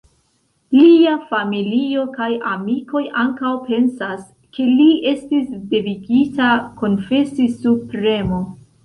Lia familio kaj amikoj ankaŭ pensas, ke li estis devigita konfesi sub premo.